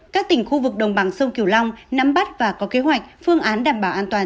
các tỉnh khu vực đồng bằng sông kiều long nắm bắt và có kế hoạch phương án đảm bảo an toàn